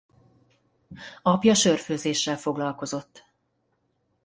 Apja sörfőzéssel foglalkozott.